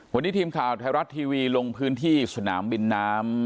วันนี้ทีมข่าวไทยรัฐทีวีลงพื้นที่สนามบินน้ำ